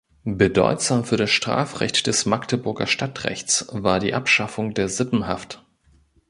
Bedeutsam für das Strafrecht des Magdeburger Stadtrechts war die Abschaffung der Sippenhaft.